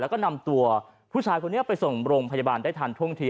แล้วก็นำตัวผู้ชายคนนี้ไปส่งโรงพยาบาลได้ทันท่วงที